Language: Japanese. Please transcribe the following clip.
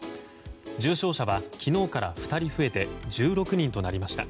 重症者は昨日から２人増えて１６人となりました。